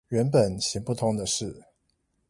原本行不通的事